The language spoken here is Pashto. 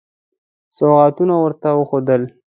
سوغاتونه ورته وښودل.